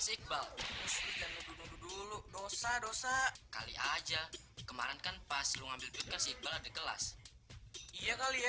sikbal dulu dosa dosa kali aja kemarin kan pas lu ngambil duit kasih balik kelas iya kali ya